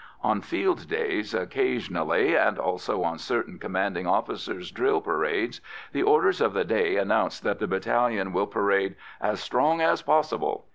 On field days occasionally, and also on certain commanding officers' drill parades, the orders of the day announce that the battalion will parade "as strong as possible."